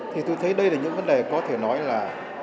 thì tôi thấy đây là những vấn đề có thể nói là